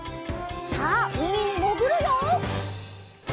さあうみにもぐるよ！